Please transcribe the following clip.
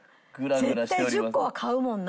絶対１０個は買うもんな。